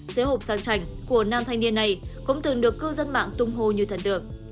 xế hộp sang trành của nam thanh niên này cũng từng được cư dân mạng tung hô như thần tượng